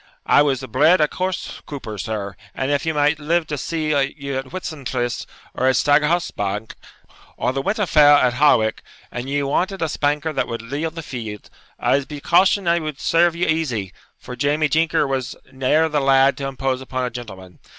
I was bred a horse couper, sir; and if I might live to see you at Whitson tryst, or at Stagshawbank, or the winter fair at Hawick, and ye wanted a spanker that would lead the field, I'se be caution I would serve ye easy; for Jamie Jinker was ne'er the lad to impose upon a gentleman.